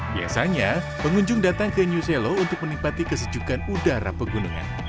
biasanya pengunjung datang ke new selo untuk menikmati kesejukan udara pegunungan